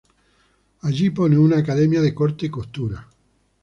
Allí pone una academia de corte y costura.